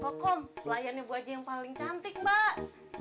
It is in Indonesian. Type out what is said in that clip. kokom pelayan ibu aja yang paling cantik mbak